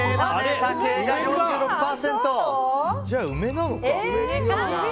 じゃあ、梅なのか。